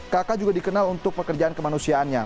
kakak juga dikenal untuk pekerjaan kemanusiaannya